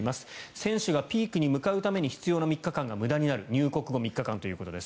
選手がピークに向かうために必要な３日間が無駄になる入国後３日間ということです。